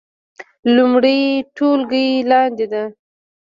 لومړۍ ټولګی لاندې ده